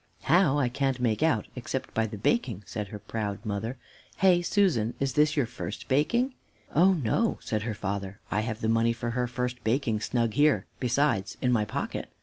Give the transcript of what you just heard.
"How, I can't make out, except by the baking," said her proud mother. "Hey, Susan, is this your first baking?" "Oh, no, no," said her father, "I have the money for her first baking snug here, besides, in my pocket.